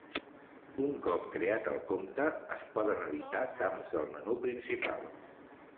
Un cop creat el compte, es poden editar camps del menú principal.